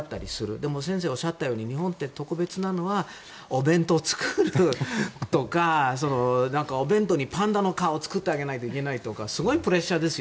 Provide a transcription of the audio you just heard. でも、先生がおっしゃったように日本って特別なのはお弁当作るとかお弁当にパンダの顔を作ってあげないといけないとかすごいプレッシャーですよ。